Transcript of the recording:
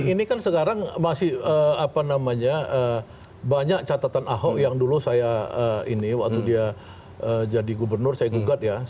ini kan sekarang masih apa namanya banyak catatan ahok yang dulu saya ini waktu dia jadi gubernur saya gugat ya